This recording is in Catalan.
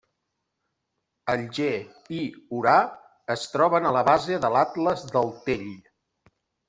Alger i Orà es troben a la base de l'Atles del Tell.